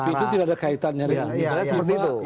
tapi itu tidak ada kaitannya dengan istimewa